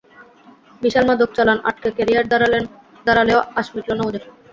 বিশাল মাদক চালান আটকে ক্যারিয়ার দাঁড়ালেও আশ মিটল না ওদের।